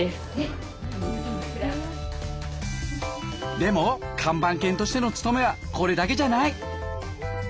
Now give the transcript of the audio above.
でも看板犬としての務めはこれだけじゃない。